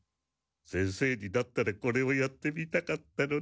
先生になったらこれをやってみたかったのだ。